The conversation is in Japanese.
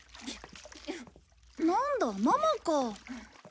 なんだママか。